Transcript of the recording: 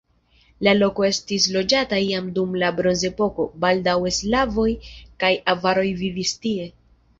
La loko estis loĝata jam dum la bronzepoko, baldaŭe slavoj kaj avaroj vivis tie.